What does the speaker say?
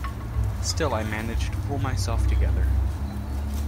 Still I managed to pull myself together.